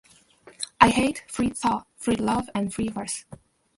I hate free thought, free love, and free verse.